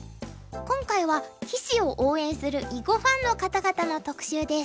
今回は棋士を応援する囲碁ファンの方々の特集です。